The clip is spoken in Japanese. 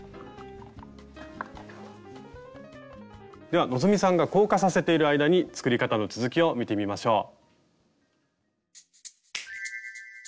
では希さんが硬化させている間に作り方の続きを見てみましょう。